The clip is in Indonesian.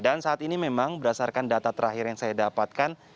dan saat ini memang berdasarkan data terakhir yang saya dapatkan